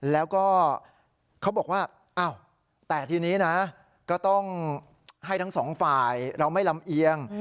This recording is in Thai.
แล้วก็เขาบอกว่าอ้าวแต่ทีนี้นะก็ต้องให้ทั้งสองฝ่ายเราไม่ลำเอียง